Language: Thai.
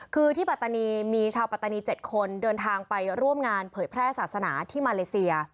คือที่ปัตตานีมีชาวปัตตานี๗คนเดินทางไปร่วมงานเผยแพร่ศาสนาที่มาเลเซีย